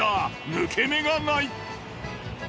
抜け目がない。